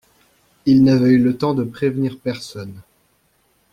Ils n’avaient eu le temps de prévenir personne.